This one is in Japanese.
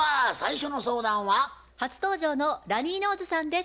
初登場のラニーノーズさんです。